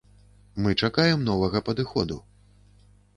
Мы чакаем новага падыходу.